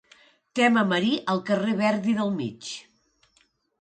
Tema marí al carrer Verdi del mig.